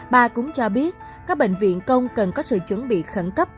bà cũng cho biết các bệnh viện công cần có sự chuẩn bị khẩn cấp